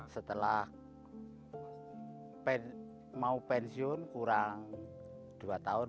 setelah mau pensiun kurang dua tahun